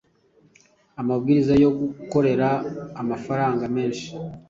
amahirwe yo gukorera amafaranga menshi.